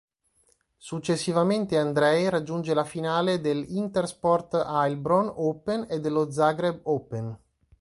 Successivamente Andrey raggiunge la finale del Intersport Heilbronn Open e dello Zagreb Open.